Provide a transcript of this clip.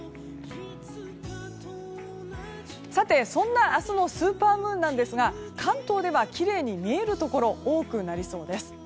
さて、そんな明日のスーパームーンなんですが関東ではきれいに見えるところが多くなりそうです。